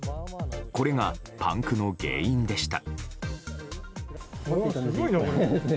これがパンクの原因でした。